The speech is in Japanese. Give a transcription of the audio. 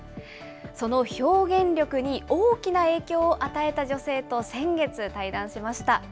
その表現力に大きな影響を与えた女性と先月対談しました。